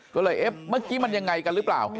ก็เลยเอ๊ะเมื่อกี้มันยังไงกันหรือเปล่า